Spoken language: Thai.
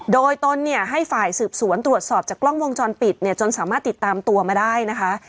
โดยตนเนี่ยให้ฝ่ายสืบสวนตรวจสอบจากกล้องวงจรปิดเนี่ยจนสามารถติดตามตัวมาได้นะคะ